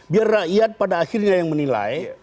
biar rakyat pada akhirnya yang menilai